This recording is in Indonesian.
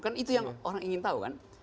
kan itu yang orang ingin tahu kan